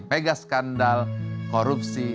pegas skandal korupsi